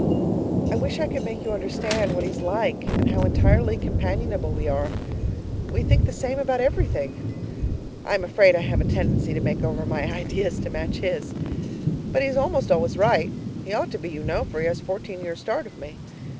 I wish I could make you understand what he is like and how entirely companionable we are. We think the same about everything I am afraid I have a tendency to make over my ideas to match his! But he is almost always right; he ought to be, you know, for he has fourteen years' start of me.